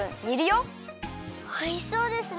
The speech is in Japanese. おいしそうですね！